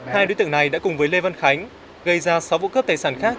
hai đối tượng này đã cùng với lê văn khánh gây ra sáu vụ cướp tài sản khác